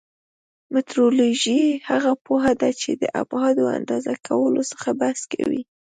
مټرولوژي هغه پوهه ده چې د ابعادو اندازه کولو څخه بحث کوي.